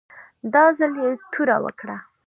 دا ځل یې توره وکړه.